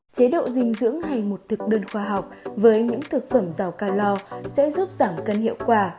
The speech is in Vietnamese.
chế độ dinh dưỡng hay một thực đơn khoa học với những thực phẩm giàu calor sẽ giúp giảm cân hiệu quả